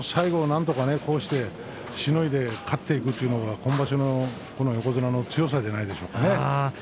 なんとかこうしてしのいで勝っていくというのは今場所の横綱の強さではないでしょうか。